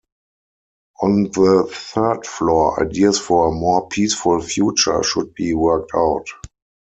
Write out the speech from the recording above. On the third floor ideas for a more peaceful future should be worked out.